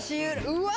うわ！